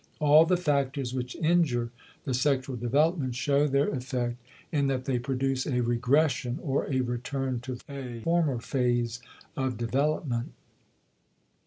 All the factors which injure the sexual development show their effect in that they produce a regression, or a return to a former phase of development.